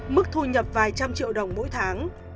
mức thu nhập vài trăm triệu đồng mỗi tháng